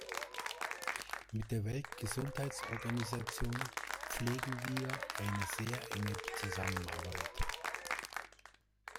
Mit der Weltgesundheitsorganisation pflegen wir eine sehr enge Zusammenarbeit.